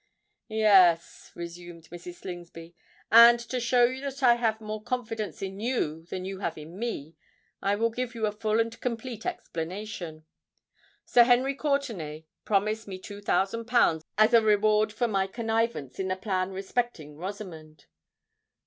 "Yes," resumed Mrs. Slingsby; "and to show you that I have more confidence in you than you have in me, I will give you a full and complete explanation. Sir Henry Courtenay promised me two thousand pounds as a reward for my connivance in the plan respecting Rosamond."